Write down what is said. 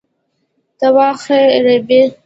ته واخه ریبې؟